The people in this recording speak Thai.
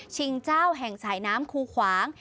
เจ้าแห่งสายน้ำคูขวาง